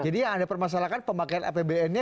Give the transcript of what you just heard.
jadi ada permasalahan pemakaian apbnnya